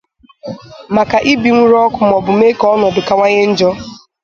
maka ibinwùrù ọkụ maọbụ mee ka ọnọdụ kawanye njọ.